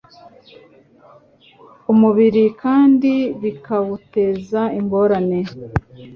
umubiri kandi bikawuteza ingorane.